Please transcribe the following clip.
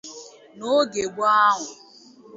N'oge gboo ahụ